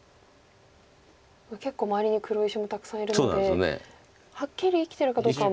結構周りに黒石もたくさんいるのではっきり生きてるかどうかは。